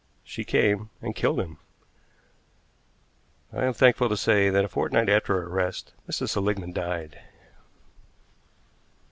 She came, and killed him. I am thankful to say that a fortnight after her arrest Mrs. Seligmann died.